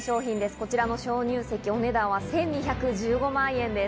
こちらの鍾乳石、お値段は１２１５万円です。